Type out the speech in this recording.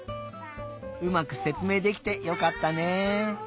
うまくせつめいできてよかったね。